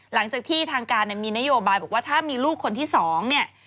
หลังจากที่ทางการเนี่ยมีนโยบายบอกว่าถ้ามีลูกคนที่สองเนี่ย